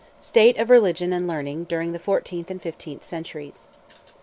STATE OF RELIGION AND LEARNING DURING THE FOURTEENTH AND FIFTEENTH CENTURIES.